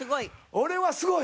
俺はすごい！